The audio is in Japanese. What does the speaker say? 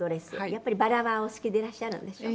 やっぱりバラはお好きでいらっしゃるんでしょ？